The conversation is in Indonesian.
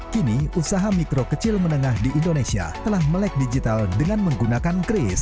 kini usaha mikro kecil menengah di indonesia telah melek digital dengan menggunakan kris